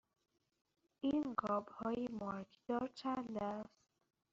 این قاب های مارکدار چند است؟